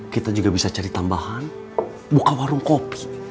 kita juga bisa cari tambahan buka warung kopi